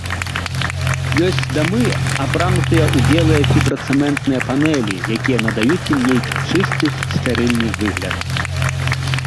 Ёсць дамы, апранутыя ў белыя фібрацэментныя панэлі, якія надаюць ім нейкі чысты, стэрыльны выгляд.